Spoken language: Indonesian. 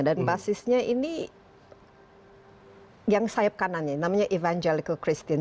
dan basisnya ini yang sayap kanannya namanya evangelical christian